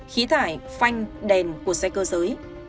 khí thải phanh đèn của xe cơ giới